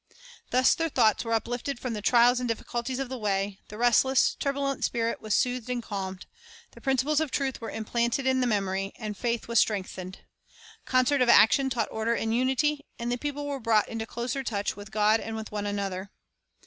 Thus their thoughts were uplifted from the trials and difficulties of the way, the restless, turbulent spirit was soothed and calmed, the principles of truth were implanted in the memory, and faith was strengthened. Concert of action taught order and unity, and the people were brought into closer touch with God and with one another.